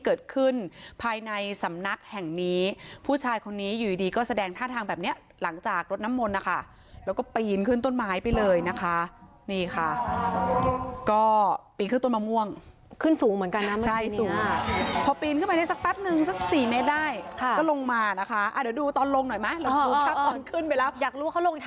เกิดขึ้นภายในสำนักแห่งนี้ผู้ชายคนนี้อยู่ดีดีก็แสดงท่าทางแบบเนี้ยหลังจากรถน้ำมนต์นะคะแล้วก็ปีนขึ้นต้นไม้ไปเลยนะคะนี่ค่ะก็ปีนขึ้นต้นมะม่วงขึ้นสูงเหมือนกันนะใช่สูงพอปีนขึ้นไปได้สักแป๊บนึงสักสี่เมตรได้ค่ะก็ลงมานะคะเดี๋ยวดูตอนลงหน่อยไหมลองดูภาพตอนขึ้นไปแล้วอยากรู้เขาลงท